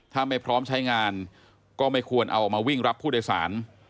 ถ้าไม่พร้อมใช้งานก็ไม่ควรเอาออกมาวิ่งรับผู้โดยสาร